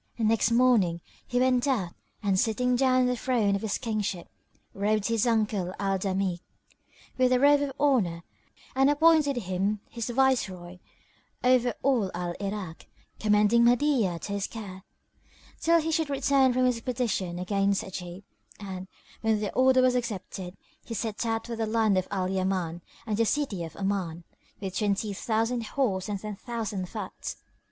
Next morning he went out and sitting down on the throne of his kingship, robed his uncle Al Damigh with a robe of honour; and appointed him his viceroy over all Al Irak, commending Mahdiyah to his care, till he should return from his expedition against Ajib; and, when the order was accepted, he set out for the land of Al Yaman and the City of Oman with twenty thousand horse and ten thousand foot.